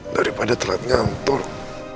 daripada telat ngantuk